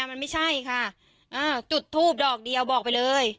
มันไม่ใช่ค่ะอ่าจุดทูบดอกเดียวบอกไปเลย